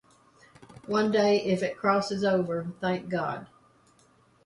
One day, if it crosses over, thank God.